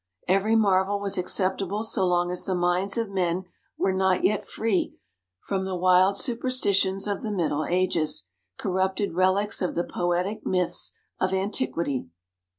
Every marvel was acceptable so long as the minds of men were not yet free from the wild superstitions of the Middle Ages — corrupted relics of the poetic myths of antiquity.